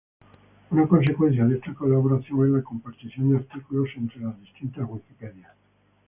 Una consecuencia de esta colaboración es la compartición de artículos entre las distintas Wikipedias.